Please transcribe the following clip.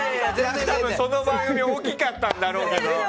その番組大きかったんだろうけど。